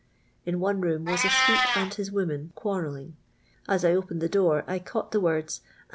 In one room wn>% a sweep and his woman iiuarroliiiig. As I opened the door I iMugiit the words, '*!